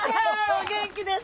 お元気ですか？